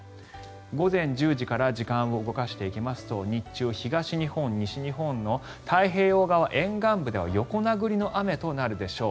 午前１０時から時間を動かしていきますと日中、東日本、西日本の太平洋側沿岸部では横殴りの雨となるでしょう。